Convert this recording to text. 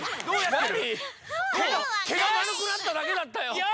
てがまるくなっただけだったよ。